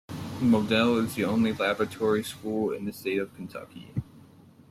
Model is the only laboratory school in the state of Kentucky.